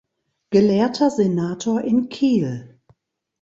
Gelehrter Senator in Kiel.